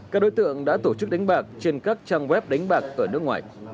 các đối tượng đã tổ chức đánh bạc trên các trang web đánh bạc ở nước ngoài